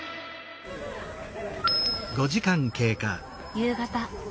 夕方。